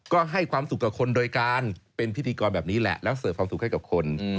ก็ให้ความสุขกับคนโดยการเป็นพิธีกรแบบนี้แหละแล้วเสิร์ฟความสุขให้กับคน